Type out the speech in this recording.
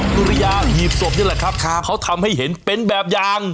สุริยาหีบศพนี่แหละครับเขาทำให้เห็นเป็นแบบอย่าง